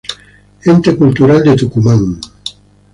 Ente Cultural de Tucumán